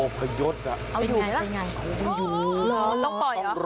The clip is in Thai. กลัวพยดอ่ะเอาอยู่ไหมล่ะเอาอยู่ต้องปล่อยเหรอ